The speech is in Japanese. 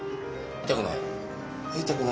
痛くない？